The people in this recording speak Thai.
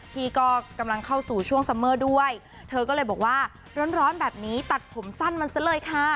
ที่ก็กำลังเข้าสู่ช่วงซัมเมอร์ด้วยเธอก็เลยบอกว่าร้อนแบบนี้ตัดผมสั้นมันซะเลยค่ะ